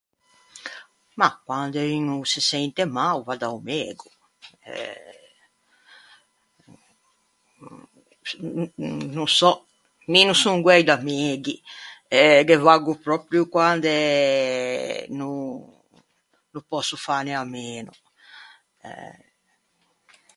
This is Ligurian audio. Mah, quande un o se sente mâ o va da-o mego. Euh... N- n- no sò. Mi no son guæi da meghi, ghe vaggo pròpio quande no no pòsso fâne à meno.